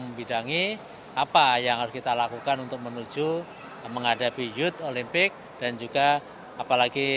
membidangi apa yang harus kita lakukan untuk menuju menghadapi youth olympic dan juga apalagi